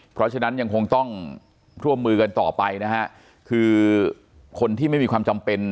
เพราะฉะนั้นยังคงต้องร่วมมือกันต่อไปนะฮะคือคนที่ไม่มีความจำเป็น